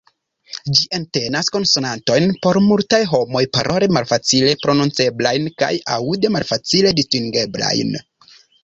Ĝi entenas konsonantojn por multaj homoj parole malfacile prononceblajn kaj aŭde malfacile distingeblajn.